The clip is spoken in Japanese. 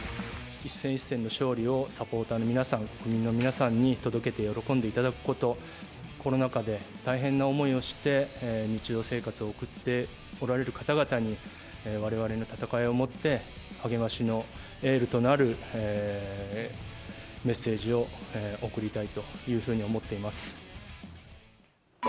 一戦一戦の勝利をサポーターの皆さん、国民の皆さんに届けて喜んでいただくこと、コロナ禍で大変な思いをして、日常生活を送っておられる方々に、われわれの戦いをもって、励ましのエールとなるメッセージを送りたいというふうに思っています。